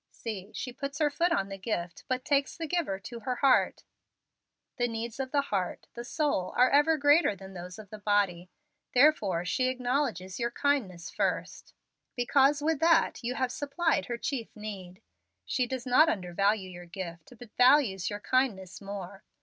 See, she puts her foot on the gift, but takes the giver to her heart. The needs of the heart the soul are ever greater than those of the body, therefore she acknowledges your kindness first, because with that you have supplied her chief need. She does not undervalue your gift, but values your kindness more.